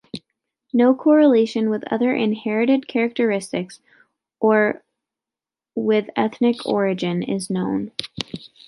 No correlation with other inherited characteristics, or with ethnic origin, is known.